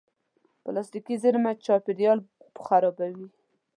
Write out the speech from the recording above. پلاستيکي زېرمه چاپېریال خرابوي.